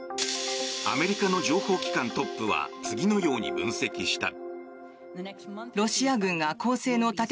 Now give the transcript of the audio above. アメリカの情報機関トップは次のように分析した。